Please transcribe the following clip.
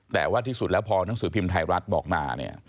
แต่ว่าที่สุดแล้วพอหนังสือพิมพ์ไทยรัฐบอกมาเนี่ย